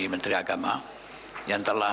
menteri agama yang telah